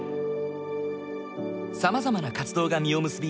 さまざまな活動が実を結び